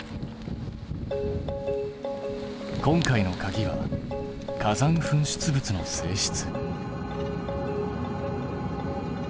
今回のかぎは火山噴出物の性質。